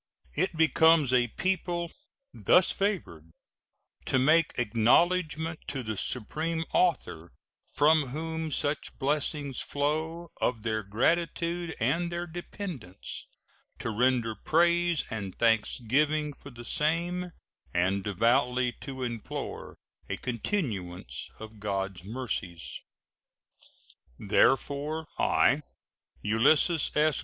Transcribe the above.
It becomes a people thus favored to make acknowledgment to the Supreme Author from whom such blessings flow of their gratitude and their dependence, to render praise and thanksgiving for the same, and devoutly to implore a continuance of God's mercies. Therefore I, Ulysses S.